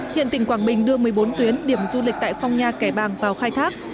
hiện tỉnh quảng bình đưa một mươi bốn tuyến điểm du lịch tại phong nha cải bang vào khai tháp